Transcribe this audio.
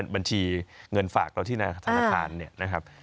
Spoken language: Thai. บัญชีเงินฝากเราที่นาธนาคารเนี่ยนะครับ